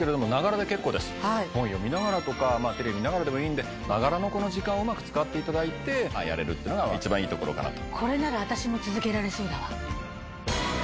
本読みながらとかテレビ見ながらでもいいんでながらの時間をうまく使っていただいてやれるっていうのが一番いいところかなと。